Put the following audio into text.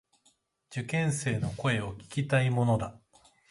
受験生の声を聞きたいものだ。